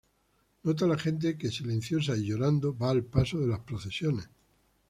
Nota la gente que silenciosa y llorando va al paso de las procesiones.